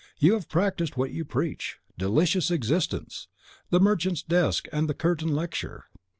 You have practised what you preach. Delicious existence! The merchant's desk and the curtain lecture!